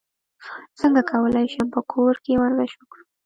څنګه کولی شم په کور کې ورزش وکړم